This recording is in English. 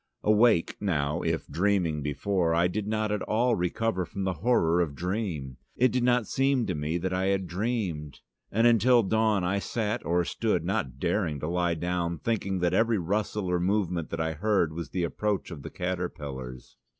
Awake, now, if dreaming before, I did not at all recover from the horror of dream: it did not seem to me that I had dreamed. And until dawn, I sat or stood, not daring to lie down, thinking that every rustle or movement that I heard was the approach of the caterpillars.